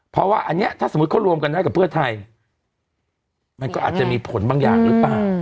เพราะว่าอันนี้ถ้าสมมุติเขารวมกันได้กับเพื่อไทยมันก็อาจจะมีผลบางอย่างหรือเปล่า